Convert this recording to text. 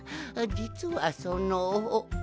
じつはその。